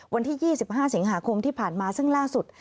วันที่๒๕สิงหาคมที่ผ่านมาซึ่งล่าสุด